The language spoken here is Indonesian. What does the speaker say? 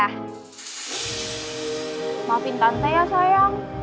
harusin tante ya sayang